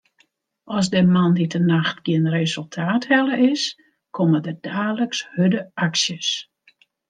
As der moandeitenacht gjin resultaat helle is, komme der daliks hurde aksjes.